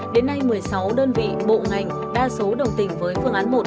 đến nay một mươi sáu đơn vị bộ ngành đa số đồng tình với phương án một